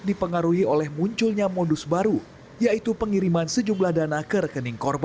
dipengaruhi oleh munculnya modus baru yaitu pengiriman sejumlah dana ke rekening